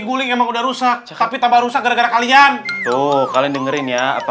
guling emang udah rusak tapi tambah rusak gara gara kalian tuh kalian dengerin ya apa